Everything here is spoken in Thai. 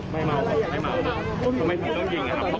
นักข่าวต้องเจ็บไม่เจ็บ